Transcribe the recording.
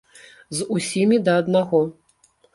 З усімі да аднаго.